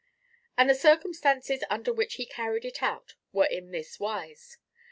And the circumstances under which he carried it out were in this wise.